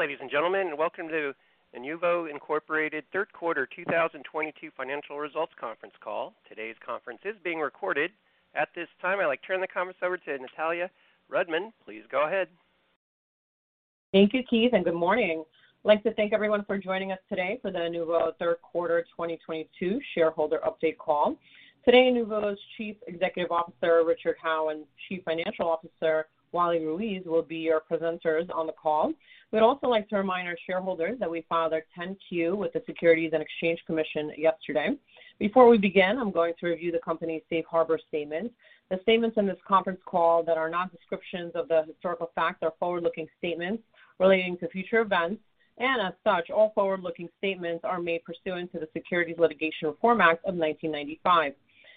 Ladies and gentlemen, welcome to the Inuvo, Inc. Q3 2022 financial results conference call. Today's conference is being recorded. At this time, I'd like to turn the conference over to Natalya Rudman. Please go ahead. Thank you, Keith, and good morning. I'd like to thank everyone for joining us today for the Inuvo Q3 2022 shareholder update call. Today, Inuvo's Chief Executive Officer, Richard Howe, and Chief Financial Officer, Wally Ruiz, will be your presenters on the call. We'd also like to remind our shareholders that we filed our 10-Q with the Securities and Exchange Commission yesterday. Before we begin, I'm going to review the company's Safe Harbor statement. The statements on this conference call that are not descriptions of the historical fact are forward-looking statements relating to future events. As such, all forward-looking statements are made pursuant to the Private Securities Litigation Reform Act of 1995.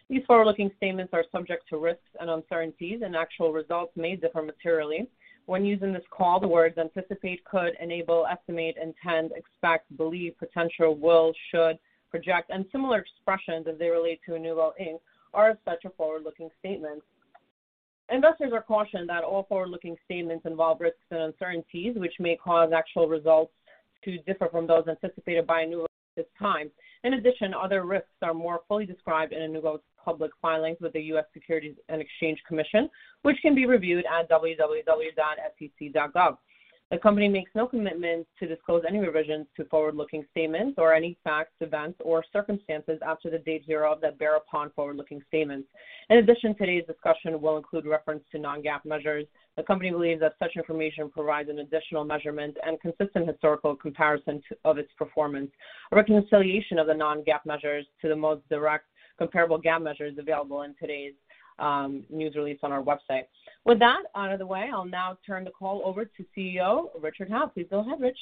These forward-looking statements are subject to risks and uncertainties, and actual results may differ materially. When using this call, the words anticipate, could, enable, estimate, intend, expect, believe, potential, will, should, project, and similar expressions as they relate to Inuvo, Inc. are such a forward-looking statement. Investors are cautioned that all forward-looking statements involve risks and uncertainties, which may cause actual results to differ from those anticipated by Inuvo at this time. In addition, other risks are more fully described in Inuvo's public filings with the U.S. Securities and Exchange Commission, which can be reviewed at www.sec.gov. The company makes no commitment to disclose any revisions to forward-looking statements or any facts, events, or circumstances after the date hereof that bear upon forward-looking statements. In addition, today's discussion will include reference to non-GAAP measures. The company believes that such information provides an additional measurement and consistent historical comparison of its performance. A reconciliation of the non-GAAP measures to the most direct comparable GAAP measure is available in today's news release on our website. With that out of the way, I'll now turn the call over to CEO Richard Howe. Please go ahead, Rich.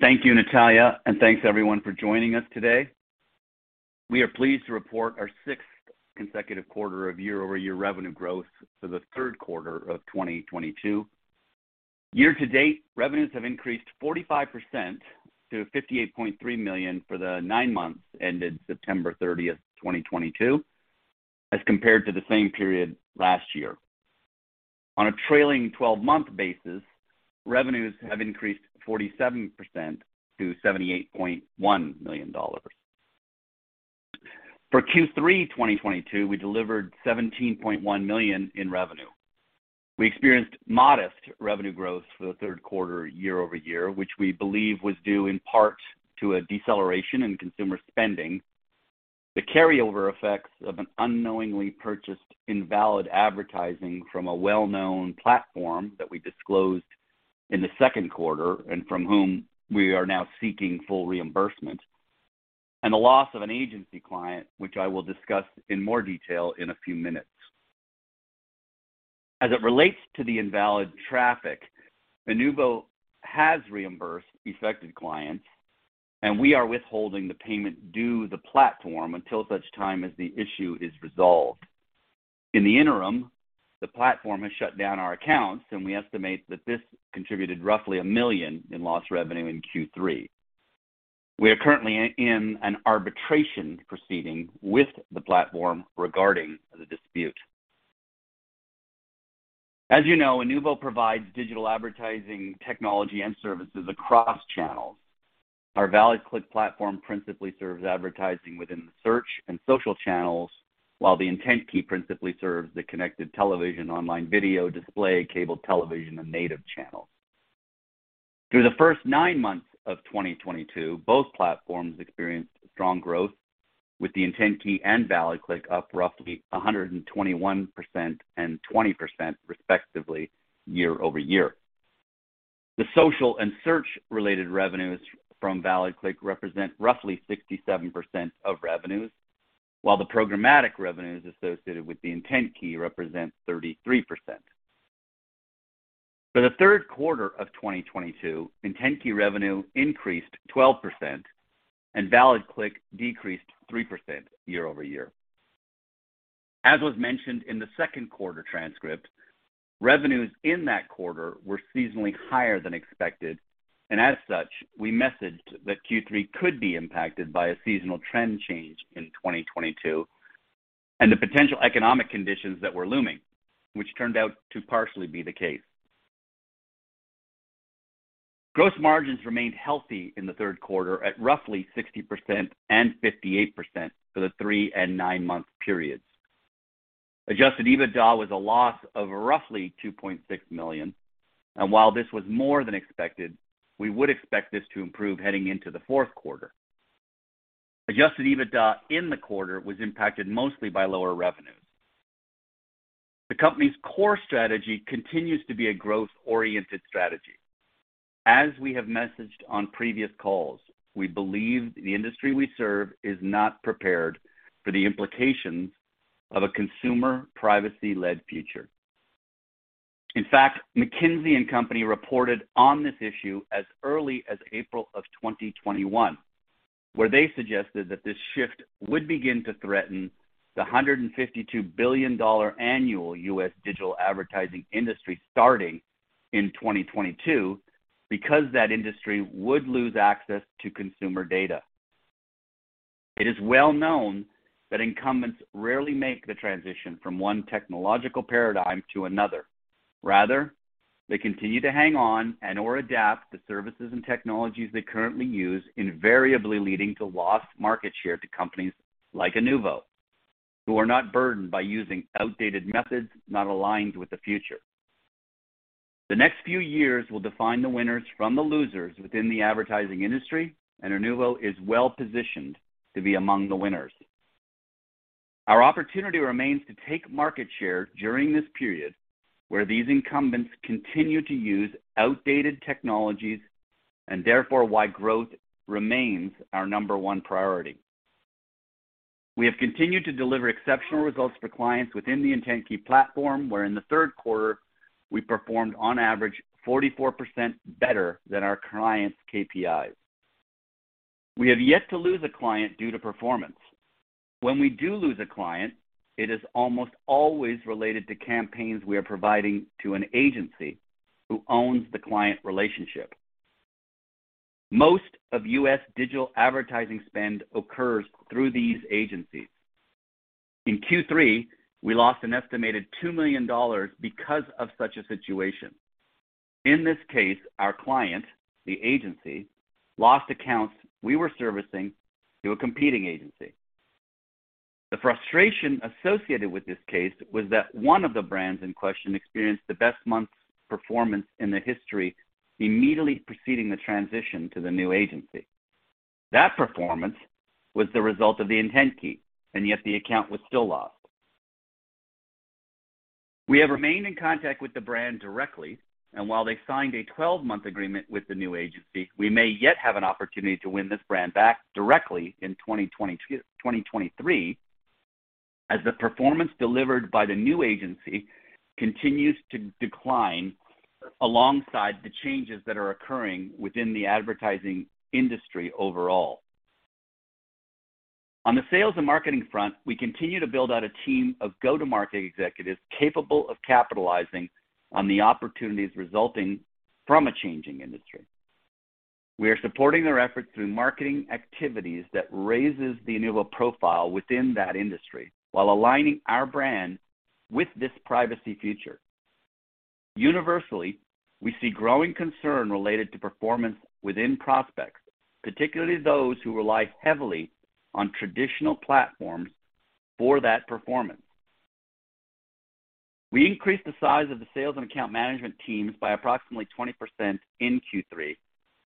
Thank you, Natalya, and thanks everyone for joining us today. We are pleased to report our sixth consecutive quarter of year-over-year revenue growth for the Q3 of 2022. Year-to-date, revenues have increased 45% to $58.3 million for the nine months ended September 30th, 2022, as compared to the same period last year. On a trailing twelve-month basis, revenues have increased 47% to $78.1 million. For Q3 2022, we delivered $17.1 million in revenue. We experienced modest revenue growth for the Q3 year-over-year, which we believe was due in part to a deceleration in consumer spending. The carryover effects of an unknowingly purchased invalid advertising from a well-known platform that we disclosed in the Q2 and from whom we are now seeking full reimbursement, and the loss of an agency client, which I will discuss in more detail in a few minutes. As it relates to the invalid traffic, Inuvo has reimbursed affected clients, and we are withholding the payment due the platform until such time as the issue is resolved. In the interim, the platform has shut down our accounts, and we estimate that this contributed roughly a million in lost revenue in Q3. We are currently in an arbitration proceeding with the platform regarding the dispute. As you know, Inuvo provides digital advertising technology and services across channels. Our ValidClick platform principally serves advertising within the search and social channels, while the IntentKey principally serves the connected television, online video, display, cable television, and native channels. Through the first nine months of 2022, both platforms experienced strong growth with the IntentKey and ValidClick up roughly 121% and 20%, respectively, year-over-year. The social and search-related revenues from ValidClick represent roughly 67% of revenues, while the programmatic revenues associated with the IntentKey represent 33%. For the Q3 of 2022, IntentKey revenue increased 12% and ValidClick decreased 3% year-over-year. As was mentioned in the Q2 transcript, revenues in that quarter were seasonally higher than expected, and as such, we messaged that Q3 could be impacted by a seasonal trend change in 2022 and the potential economic conditions that were looming, which turned out to partially be the case. Gross margins remained healthy in the Q3 at roughly 60% and 58% for the three and nine-month periods. Adjusted EBITDA was a loss of roughly $2.6 million. While this was more than expected, we would expect this to improve heading into the Q4. Adjusted EBITDA in the quarter was impacted mostly by lower revenues. The company's core strategy continues to be a growth-oriented strategy. As we have messaged on previous calls, we believe the industry we serve is not prepared for the implications of a consumer privacy-led future. In fact, McKinsey & Company reported on this issue as early as April 2021, where they suggested that this shift would begin to threaten the $152 billion annual U.S. digital advertising industry starting in 2022 because that industry would lose access to consumer data. It is well known that incumbents rarely make the transition from one technological paradigm to another. Rather, they continue to hang on and/or adapt the services and technologies they currently use, invariably leading to lost market share to companies like Inuvo, who are not burdened by using outdated methods not aligned with the future. The next few years will define the winners from the losers within the advertising industry, and Inuvo is well-positioned to be among the winners. Our opportunity remains to take market share during this period where these incumbents continue to use outdated technologies and therefore why growth remains our number one priority. We have continued to deliver exceptional results for clients within the IntentKey platform, where in the Q3 we performed on average 44% better than our clients' KPIs. We have yet to lose a client due to performance. When we do lose a client, it is almost always related to campaigns we are providing to an agency who owns the client relationship. Most of U.S. digital advertising spend occurs through these agencies. In Q3, we lost an estimated $2 million because of such a situation. In this case, our client, the agency, lost accounts we were servicing to a competing agency. The frustration associated with this case was that one of the brands in question experienced the best month's performance in their history immediately preceding the transition to the new agency. That performance was the result of the IntentKey, and yet the account was still lost. We have remained in contact with the brand directly, and while they signed a 12-month agreement with the new agency, we may yet have an opportunity to win this brand back directly in 2023 as the performance delivered by the new agency continues to decline alongside the changes that are occurring within the advertising industry overall. On the sales and marketing front, we continue to build out a team of go-to-market executives capable of capitalizing on the opportunities resulting from a changing industry. We are supporting their efforts through marketing activities that raises the Inuvo profile within that industry while aligning our brand with this privacy future. Universally, we see growing concern related to performance within prospects, particularly those who rely heavily on traditional platforms for that performance. We increased the size of the sales and account management teams by approximately 20% in Q3,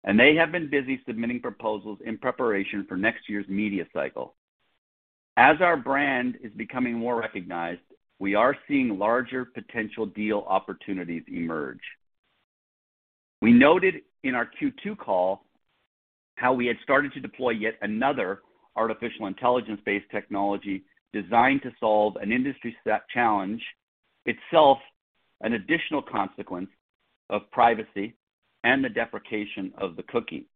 and they have been busy submitting proposals in preparation for next year's media cycle. As our brand is becoming more recognized, we are seeing larger potential deal opportunities emerge. We noted in our Q2 call how we had started to deploy yet another artificial intelligence-based technology designed to solve an industry set challenge, itself an additional consequence of privacy and the deprecation of the cookie.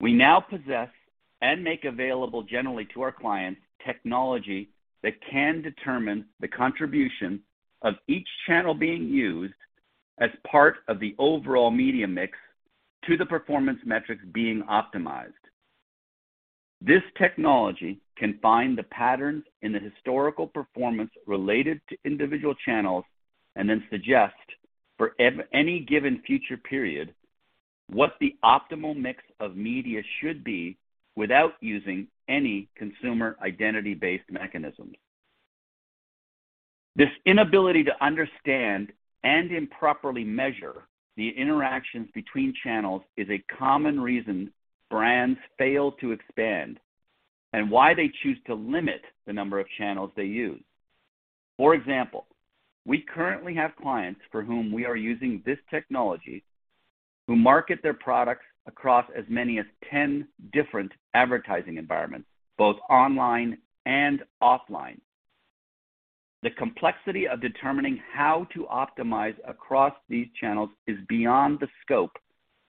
We now possess and make available generally to our clients technology that can determine the contribution of each channel being used as part of the overall media mix to the performance metrics being optimized. This technology can find the patterns in the historical performance related to individual channels and then suggest any given future period what the optimal mix of media should be without using any consumer identity-based mechanisms. This inability to understand and improperly measure the interactions between channels is a common reason brands fail to expand and why they choose to limit the number of channels they use. For example, we currently have clients for whom we are using this technology who market their products across as many as 10 different advertising environments, both online and offline. The complexity of determining how to optimize across these channels is beyond the scope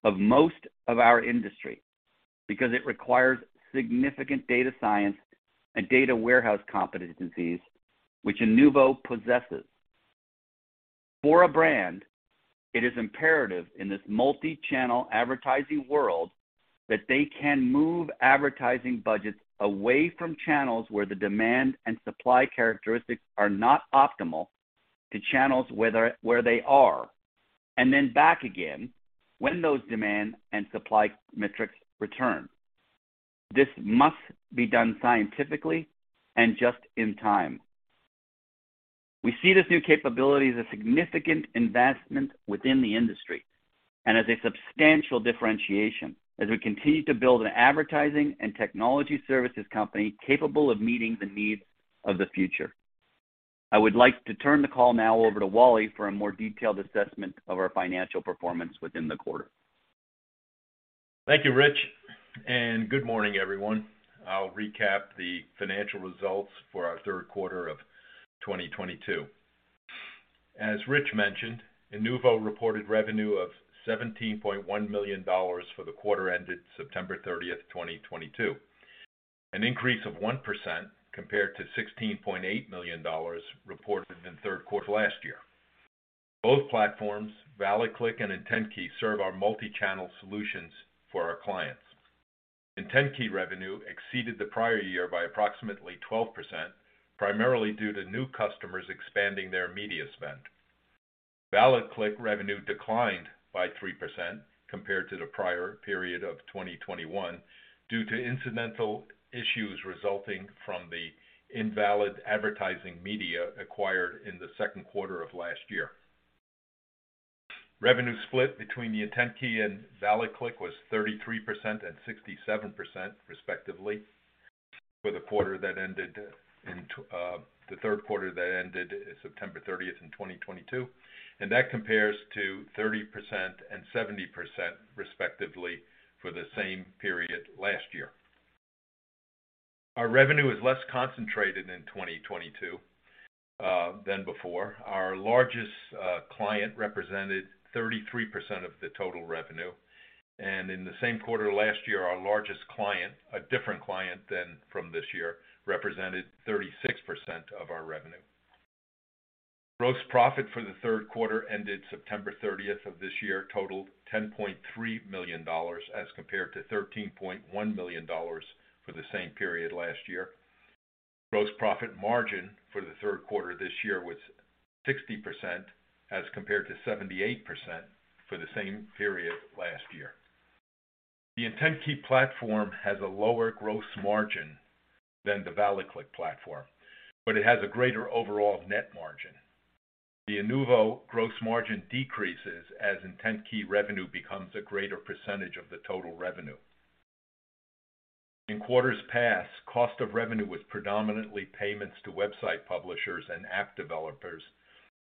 of most of our industry because it requires significant data science and data warehouse competencies, which Inuvo possesses. For a brand, it is imperative in this multi-channel advertising world that they can move advertising budgets away from channels where the demand and supply characteristics are not optimal to channels where they are, and then back again when those demand and supply metrics return. This must be done scientifically and just in time. We see this new capability as a significant investment within the industry and as a substantial differentiation as we continue to build an advertising and technology services company capable of meeting the needs of the future. I would like to turn the call now over to Wally for a more detailed assessment of our financial performance within the quarter. Thank you, Rich, and good morning, everyone. I'll recap the financial results for our Q3 of 2022. As Rich mentioned, Inuvo reported revenue of $17.1 million for the quarter ended September 30th, 2022, an increase of 1% compared to $16.8 million reported in Q3 last year. Both platforms, ValidClick and IntentKey, serve our multi-channel solutions for our clients. IntentKey revenue exceeded the prior year by approximately 12%, primarily due to new customers expanding their media spend. ValidClick revenue declined by 3% compared to the prior period of 2021 due to incidental issues resulting from the invalid advertising media acquired in the Q2 of last year. Revenue split between the IntentKey and ValidClick was 33% and 67% respectively for the quarter that ended in the Q3 that ended September 30th, 2022, and that compares to 30% and 70% respectively for the same period last year. Our revenue is less concentrated in 2022 than before. Our largest client represented 33% of the total revenue. In the same quarter last year, our largest client, a different client than from this year, represented 36% of our revenue. Gross profit for the Q3 ended September 30th of this year totaled $10.3 million as compared to $13.1 million for the same period last year. Gross profit margin for the Q3 this year was 60% as compared to 78% for the same period last year. The IntentKey platform has a lower gross margin than the ValidClick platform, but it has a greater overall net margin. The Inuvo gross margin decreases as IntentKey revenue becomes a greater percentage of the total revenue. In quarters past, cost of revenue was predominantly payments to website publishers and app developers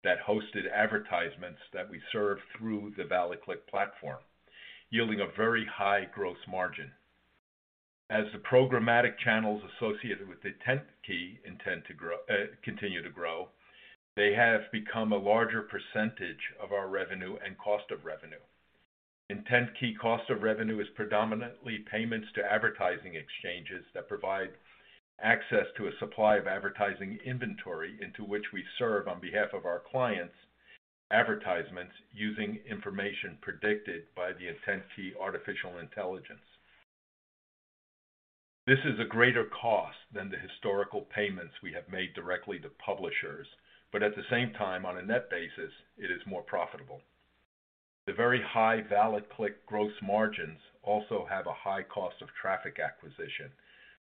that hosted advertisements that we served through the ValidClick platform, yielding a very high gross margin. As the programmatic channels associated with IntentKey intend to grow, continue to grow, they have become a larger percentage of our revenue and cost of revenue. IntentKey cost of revenue is predominantly payments to advertising exchanges that provide access to a supply of advertising inventory into which we serve on behalf of our clients advertisements using information predicted by the IntentKey artificial intelligence. This is a greater cost than the historical payments we have made directly to publishers, but at the same time, on a net basis, it is more profitable. The very high ValidClick gross margins also have a high cost of traffic acquisition,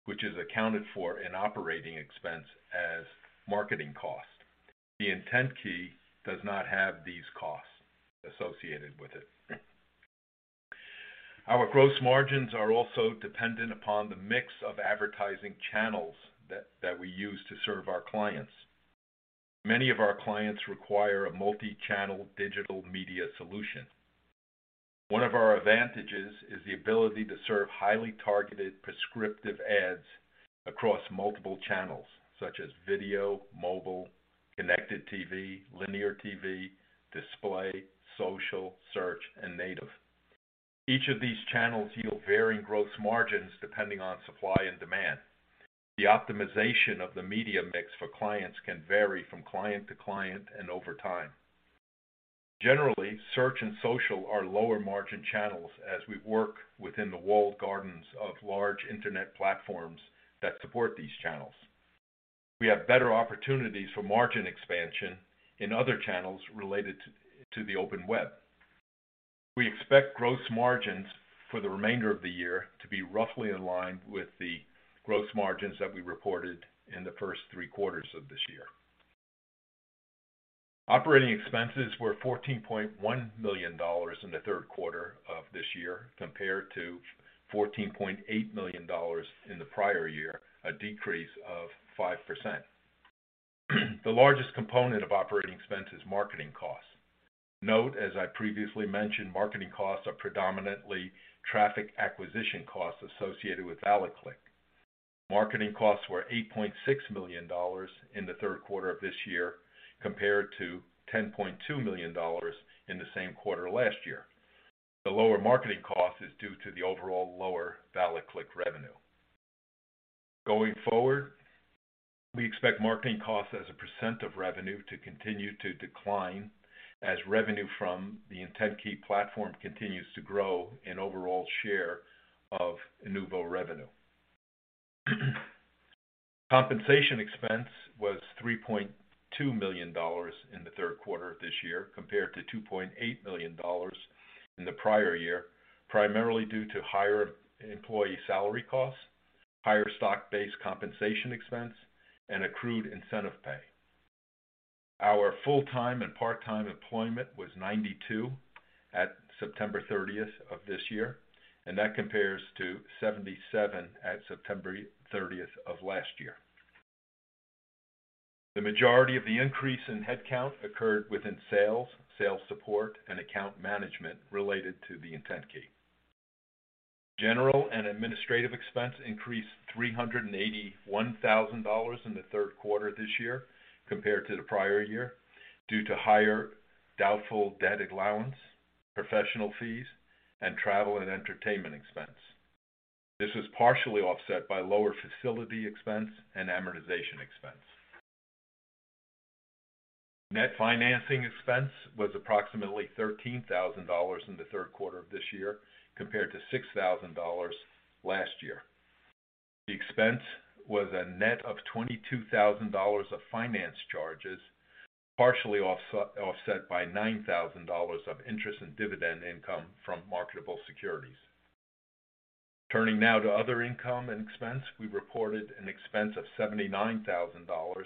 which is accounted for in operating expense as marketing cost. The IntentKey does not have these costs associated with it. Our gross margins are also dependent upon the mix of advertising channels that we use to serve our clients. Many of our clients require a multi-channel digital media solution. One of our advantages is the ability to serve highly targeted prescriptive ads across multiple channels such as video, mobile, connected TV, linear TV, display, social, search, and native. Each of these channels yield varying gross margins depending on supply and demand. The optimization of the media mix for clients can vary from client to client and over time. Generally, search and social are lower margin channels as we work within the walled gardens of large internet platforms that support these channels. We have better opportunities for margin expansion in other channels related to the open web. We expect gross margins for the remainder of the year to be roughly in line with the gross margins that we reported in the first three quarters of this year. Operating expenses were $14.1 million in the Q3 of this year, compared to $14.8 million in the prior year, a decrease of 5%. The largest component of operating expense is marketing costs. Note, as I previously mentioned, marketing costs are predominantly traffic acquisition costs associated with ValidClick. Marketing costs were $8.6 million in the Q3 of this year, compared to $10.2 million in the same quarter last year. The lower marketing cost is due to the overall lower ValidClick revenue. Going forward, we expect marketing costs as a percent of revenue to continue to decline as revenue from the IntentKey platform continues to grow in overall share of Inuvo revenue. Compensation expense was $3.2 million in the Q3 of this year, compared to $2.8 million in the prior year, primarily due to higher employee salary costs, higher stock-based compensation expense, and accrued incentive pay. Our full-time and part-time employment was 92 at September 30th of this year, and that compares to 77 at September 30th of last year. The majority of the increase in headcount occurred within sales support, and account management related to the IntentKey. General and administrative expense increased $381,000 in the Q3 this year compared to the prior year due to higher doubtful debt allowance, professional fees, and travel and entertainment expense. This was partially offset by lower facility expense and amortization expense. Net financing expense was approximately $13,000 in the Q3 of this year compared to $6,000 last year. The expense was a net of $22,000 of finance charges, partially offset by $9,000 of interest and dividend income from marketable securities. Turning now to other income and expense, we reported an expense of $79,000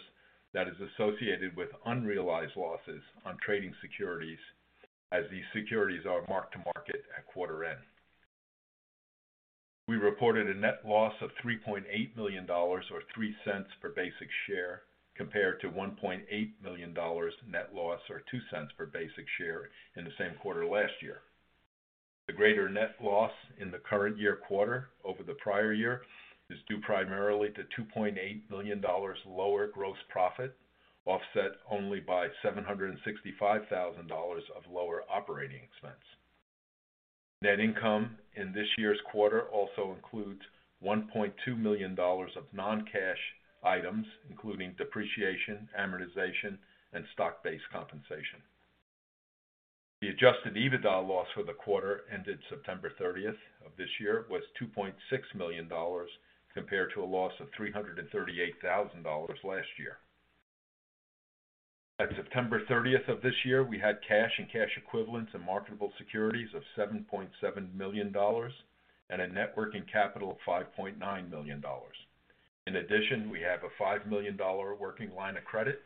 that is associated with unrealized losses on trading securities as these securities are mark-to-market at quarter end. We reported a net loss of $3.8 million or $0.03 per basic share, compared to $1.8 million net loss or $0.02 per basic share in the same quarter last year. The greater net loss in the current year quarter over the prior year is due primarily to $2.8 million lower gross profit, offset only by $765,000 of lower operating expense. Net income in this year's quarter also includes $1.2 million of non-cash items, including depreciation, amortization, and stock-based compensation. The Adjusted EBITDA loss for the quarter ended September 30th of this year was $2.6 million compared to a loss of $338,000 last year. At September 30th of this year, we had cash and cash equivalents and marketable securities of $7.7 million and a net working capital of $5.9 million. In addition, we have a $5 million working line of credit,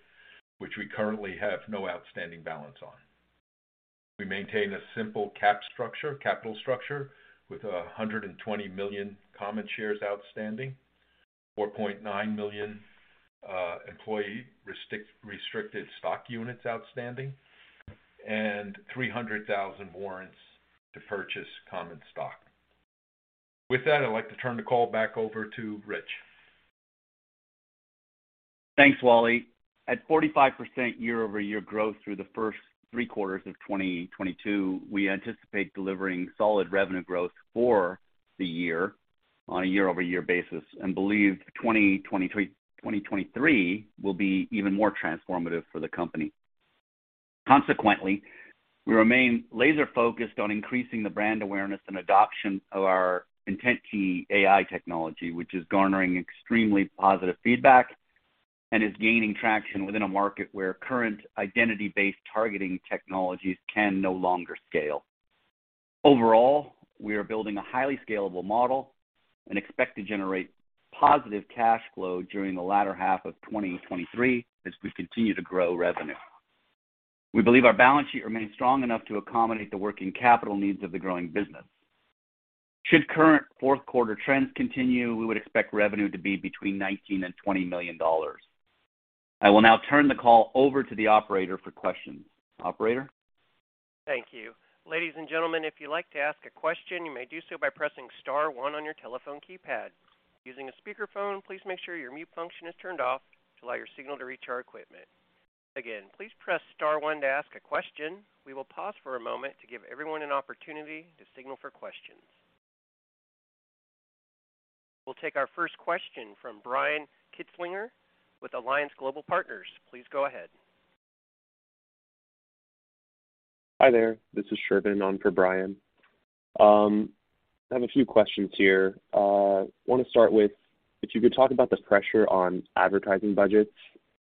which we currently have no outstanding balance on. We maintain a simple capital structure with 120 million common shares outstanding, 4.9 million employee restricted stock units outstanding, and 300,000 warrants to purchase common stock. With that, I'd like to turn the call back over to Rich. Thanks, Wally. At 45% year-over-year growth through the first three quarters of 2022, we anticipate delivering solid revenue growth for the year on a year-over-year basis, and believe 2023 will be even more transformative for the company. Consequently, we remain laser-focused on increasing the brand awareness and adoption of our IntentKey AI technology, which is garnering extremely positive feedback and is gaining traction within a market where current identity-based targeting technologies can no longer scale. Overall, we are building a highly scalable model and expect to generate positive cash flow during the latter half of 2023 as we continue to grow revenue. We believe our balance sheet remains strong enough to accommodate the working capital needs of the growing business. Should current Q4 trends continue, we would expect revenue to be between $19 million and $20 million. I will now turn the call over to the operator for questions. Operator? Thank you. Ladies and gentlemen, if you'd like to ask a question, you may do so by pressing star one on your telephone keypad. Using a speakerphone, please make sure your mute function is turned off to allow your signal to reach our equipment. Again, please press star one to ask a question. We will pause for a moment to give everyone an opportunity to signal for questions. We'll take our first question from Brian Kinstlinger with Alliance Global Partners. Please go ahead. Hi there. This is Shervin on for Brian. I have a few questions here. Want to start with if you could talk about the pressure on advertising budgets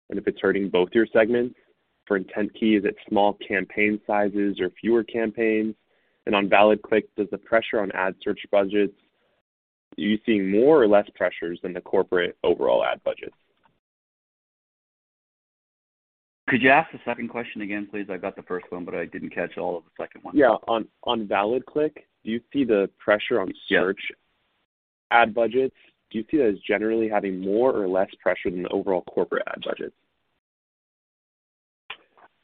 and if it's hurting both your segments. For IntentKey, is it small campaign sizes or fewer campaigns? On ValidClick, does the pressure on ad search budgets? Are you seeing more or less pressures than the corporate overall ad budgets? Could you ask the second question again, please? I got the first one, but I didn't catch all of the second one. Yeah. On ValidClick, do you see the pressure on search- Yes. Ad budgets, do you see that as generally having more or less pressure than the overall corporate ad budgets?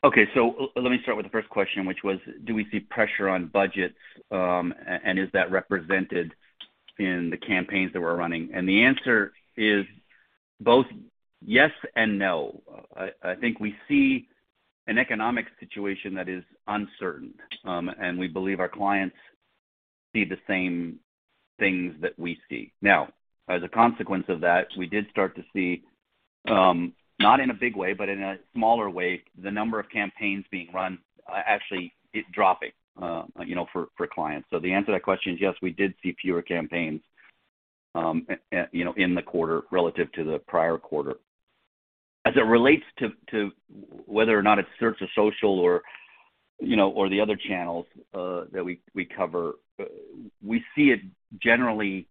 Okay. Let me start with the first question, which was do we see pressure on budgets, and is that represented in the campaigns that we're running? The answer is both yes and no. I think we see an economic situation that is uncertain, and we believe our clients see the same things that we see. Now, as a consequence of that, we did start to see, not in a big way, but in a smaller way, the number of campaigns being run, actually it dropping, you know, for clients. The answer to that question is yes, we did see fewer campaigns, you know, in the quarter relative to the prior quarter. As it relates to whether or not it's search or social or, you know, or the other channels that we cover, we see it generally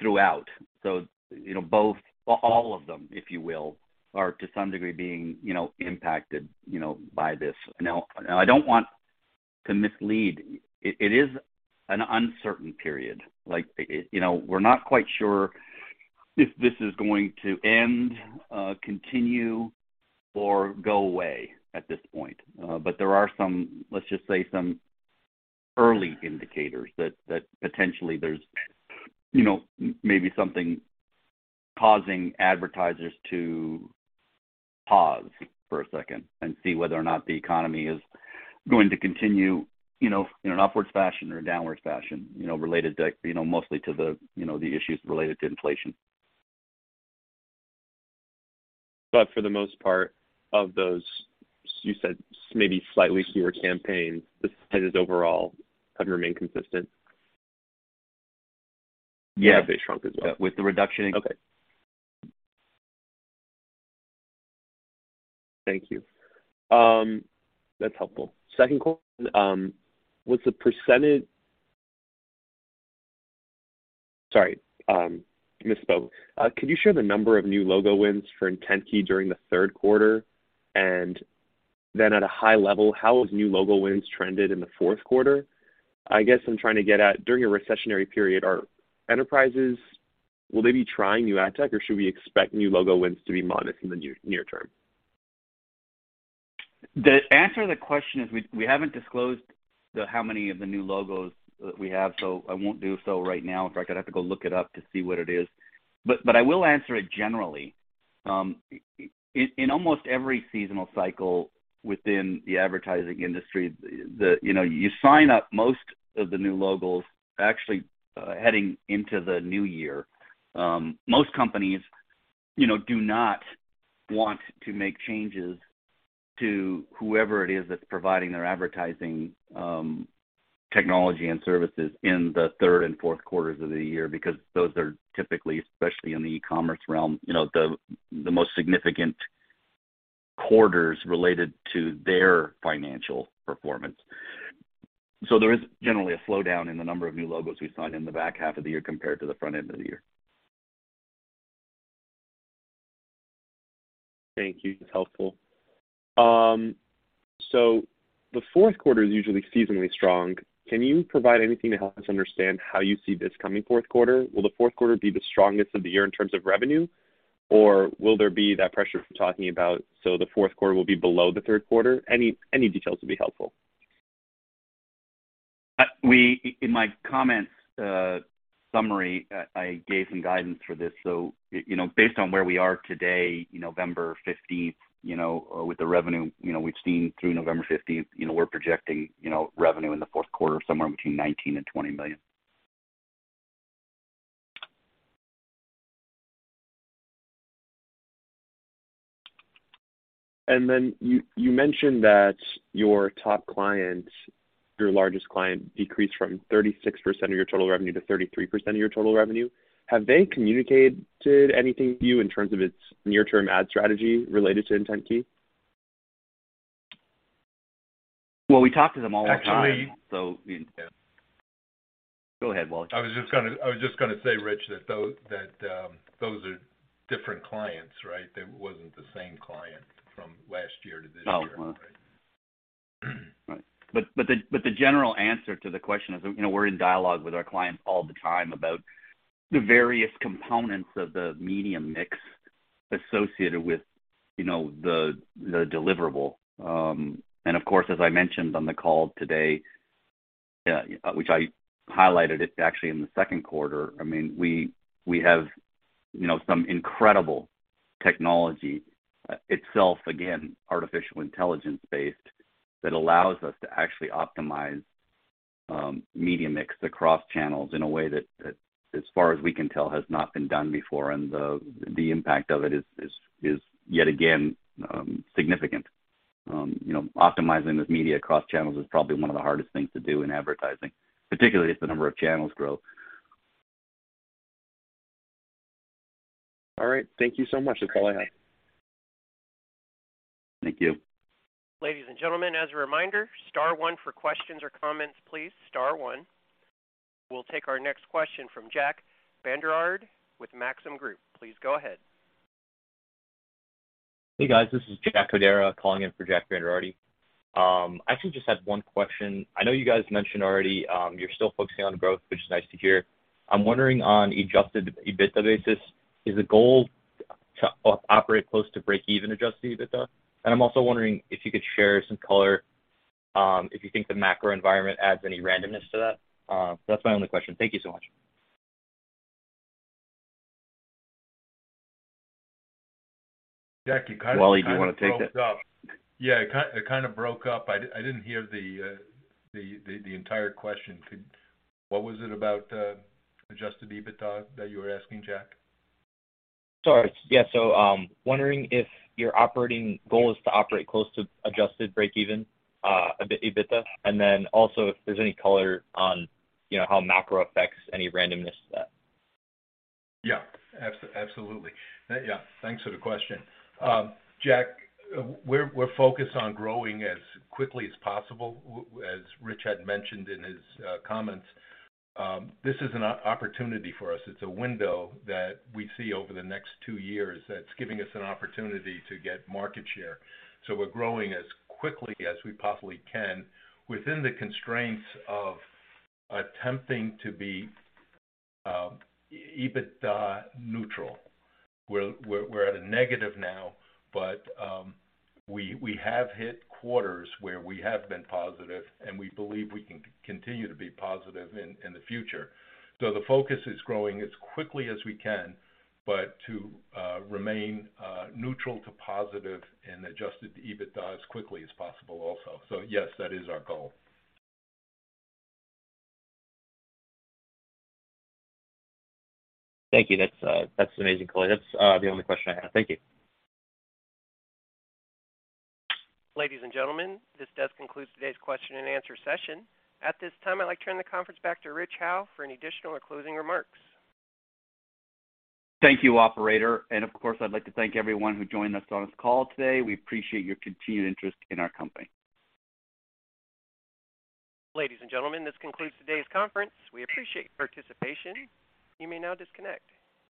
throughout. You know, all of them, if you will, are to some degree being, you know, impacted, you know, by this. Now I don't want to mislead. It is an uncertain period. Like, you know, we're not quite sure if this is going to end, continue, or go away at this point. But there are some, let's just say some early indicators that potentially there's, you know, maybe something causing advertisers to pause for a second and see whether or not the economy is going to continue, you know, in an upwards fashion or a downwards fashion, you know, related to, you know, mostly to the, you know, the issues related to inflation. For the most part of those, you said maybe slightly fewer campaigns, the spend is overall have remained consistent? Yeah. Have they shrunk as well? With the reduction in Okay. Thank you. That's helpful. Second question, could you share the number of new logo wins for IntentKey during the Q3? At a high level, how have new logo wins trended in the Q4? I guess I'm trying to get at, during a recessionary period, are enterprises, will they be trying new ad tech, or should we expect new logo wins to be modest in the near term? The answer to the question is we haven't disclosed how many of the new logos that we have, so I won't do so right now. In fact, I'd have to go look it up to see what it is. I will answer it generally. In almost every seasonal cycle within the advertising industry, you sign up most of the new logos actually heading into the new year. Most companies, you know, do not want to make changes to whoever it is that's providing their advertising technology and services in the third and Q4s of the year because those are typically, especially in the e-commerce realm, you know, the most significant quarters related to their financial performance. There is generally a slowdown in the number of new logos we sign in the back half of the year compared to the front end of the year. Thank you. That's helpful. So the Q4 is usually seasonally strong. Can you provide anything to help us understand how you see this coming Q4? Will the Q4 be the strongest of the year in terms of revenue, or will there be that pressure you're talking about, so the Q4 will be below the Q3? Any details would be helpful. In my comments summary, I gave some guidance for this. You know, based on where we are today, November 15th, you know, with the revenue, you know, we've seen through November 15th, you know, we're projecting, you know, revenue in the Q4 somewhere between $19 million-$20 million. You mentioned that your top client, your largest client decreased from 36% of your total revenue to 33% of your total revenue. Have they communicated anything to you in terms of its near-term ad strategy related to IntentKey? Well, we talk to them all the time. Actually- Go ahead, Wally. I was just gonna say, Rich, that those are different clients, right? That it wasn't the same client from last year to this year. The general answer to the question is, you know, we're in dialogue with our clients all the time about the various components of the media mix associated with, you know, the deliverable. Of course, as I mentioned on the call today, which I highlighted it actually in the Q2, I mean, we have, you know, some incredible technology itself, again, artificial intelligence-based, that allows us to actually optimize media mix across channels in a way that as far as we can tell, has not been done before. The impact of it is yet again significant. You know, optimizing the media across channels is probably one of the hardest things to do in advertising, particularly as the number of channels grow. All right. Thank you so much. That's all I have. Thank you. Ladies and gentlemen, as a reminder, star one for questions or comments, please. Star one. We'll take our next question from Jack Vander Aarde with Maxim Group. Please go ahead. Hey, guys. This is Jack Cadera calling in for Jack Vander Aarde. I actually just had one question. I know you guys mentioned already, you're still focusing on growth, which is nice to hear. I'm wondering on Adjusted EBITDA basis, is the goal to operate close to break even Adjusted EBITDA? I'm also wondering if you could share some color, if you think the macro environment adds any randomness to that. That's my only question. Thank you so much. Jack, it kind of- Wally, do you wanna take that? Yeah, it kind of broke up. I didn't hear the entire question. What was it about Adjusted EBITDA that you were asking, Jack? Sorry. Yeah. Wondering if your operating goal is to operate close to adjusted break-even EBITDA, and then also if there's any color on, you know, how macro affects any randomness to that? Yeah. Absolutely. Yeah, thanks for the question. Jack, we're focused on growing as quickly as possible. As Rich had mentioned in his comments, this is an opportunity for us. It's a window that we see over the next two years that's giving us an opportunity to get market share. We're growing as quickly as we possibly can within the constraints of attempting to be EBITDA neutral. We're at a negative now, but we have hit quarters where we have been positive, and we believe we can continue to be positive in the future. The focus is growing as quickly as we can, but to remain neutral to positive in Adjusted EBITDA as quickly as possible also. Yes, that is our goal. Thank you. That's amazing color. That's the only question I have. Thank you. Ladies and gentlemen, this does conclude today's question and answer session. At this time, I'd like to turn the conference back to Richard Howe for any additional or closing remarks. Thank you, operator. Of course, I'd like to thank everyone who joined us on this call today. We appreciate your continued interest in our company. Ladies and gentlemen, this concludes today's conference. We appreciate your participation. You may now disconnect.